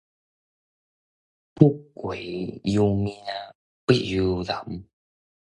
富貴由命，不由人